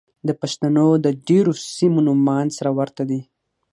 د پښتنو د ډېرو سيمو نومان سره ورته دي.